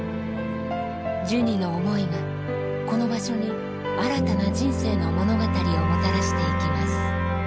ジュニの思いがこの場所に新たな人生の物語をもたらしていきます